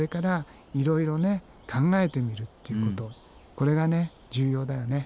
これが重要だよね。